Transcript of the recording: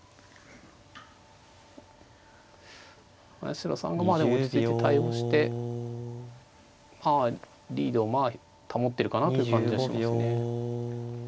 八代さんがまあでも落ち着いて対応してまあリードを保ってるかなという感じがしますね。